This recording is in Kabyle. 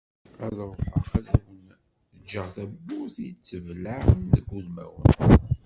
Ad ruḥeγ ad awen-ğğeγ tawwurt i yettblaԑen deg udemawen.